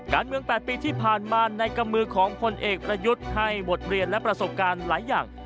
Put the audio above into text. การเมือง๘ปีที่ผ่านมาในกำมือของพลเอกประยุทธ์ให้บทเรียนและประสบการณ์หลายอย่าง